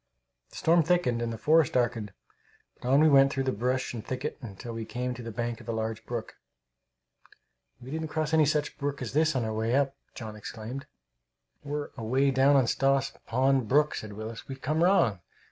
The storm thickened and the forest darkened, but on we went through brush and thicket till we came to the bank of a large brook. "We didn't cross any such brook as this on our way up!" John exclaimed. "We're away down on Stoss Pond brook," said Willis. "We've come wrong!